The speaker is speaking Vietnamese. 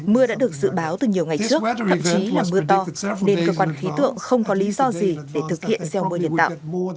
mưa đã được dự báo từ nhiều ngày trước thậm chí là mưa to nên cơ quan khí tượng không có lý do gì để thực hiện gieo mưa nhân tạo